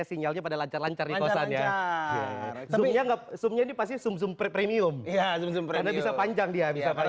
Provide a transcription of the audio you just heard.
sinyalnya pada lancar lancar di kosan ya tapi yang pasti zoom premium bisa panjang dia bisa